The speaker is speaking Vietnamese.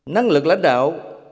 năng lực lãnh đạo